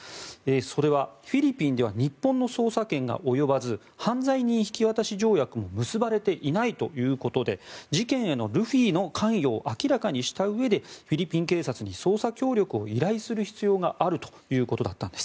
それは、フィリピンでは日本の捜査権が及ばず犯罪人引渡し条約も結ばれていないということで事件へのルフィの関与を明らかにしたうえでフィリピン警察に捜査協力を依頼する必要があるということだったんです。